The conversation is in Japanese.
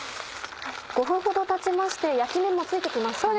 ５分ほどたちまして焼き目もついて来ましたね。